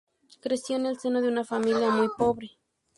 Creció en el seno de una familia muy pobre.